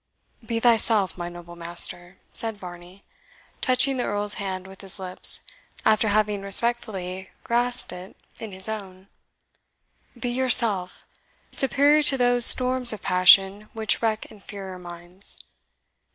"Be thyself, my noble master," said Varney, touching the Earl's hand with his lips, after having respectfully grasped it in his own; "be yourself, superior to those storms of passion which wreck inferior minds.